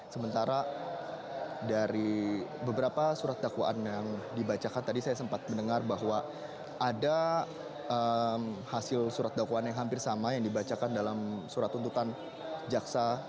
sementara dari beberapa surat dakwaan yang dibacakan tadi saya sempat mendengar bahwa ada hasil surat dakwaan yang hampir sama yang dibacakan dalam surat tuntutan jaksa